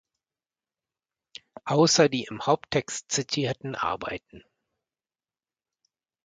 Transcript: Außer die im Haupttext zitierten Arbeiten.